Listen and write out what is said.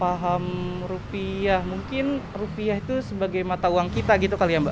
paham rupiah mungkin rupiah itu sebagai mata uang kita gitu kali ya mbak